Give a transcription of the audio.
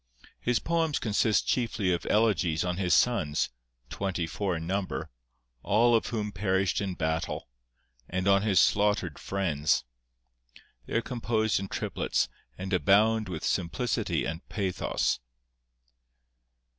His poems consist chiefly of elegies on his sons, twenty four in number, all of whom perished in battle, and on his slaughtered friends. They are composed in triplets, and abound with simplicity and pathos.